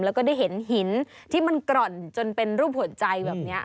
แล้วก็ได้เห็นหินที่มันกร่อนจนเป็นรูปหัวใจแบบนี้